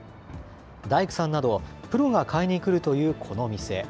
大工さんなど、プロが買いに来るというこのお店。